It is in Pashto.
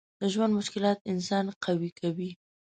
د ژوند مشکلات انسان قوي کوي.